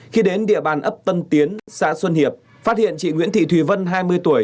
khi đến địa bàn ấp tân tiến xã xuân hiệp phát hiện chị nguyễn thị thùy vân hai mươi tuổi